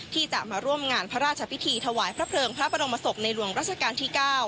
ที่จะมาร่วมงานพระราชพิธีถวายพระเพลิงพระบรมศพในหลวงราชการที่๙